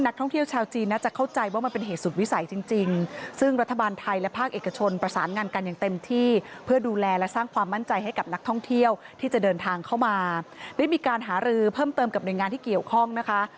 นักท่องเที่ยวชาวจีนจะเข้าใจว่ามันเป็นเหตุสุดวิสัยที่จริง